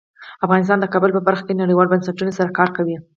افغانستان د کابل په برخه کې نړیوالو بنسټونو سره کار کوي.